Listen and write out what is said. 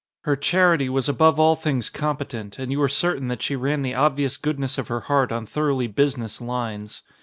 Her charity was above all things competent and you were certain that she ran the obvious goodness of her heart on thor oughly business lines.